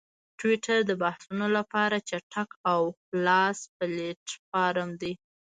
ټویټر د بحثونو لپاره چټک او خلاص پلیټفارم دی.